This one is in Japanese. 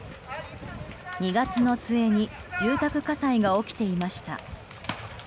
２月の末に住宅火災が起きていました。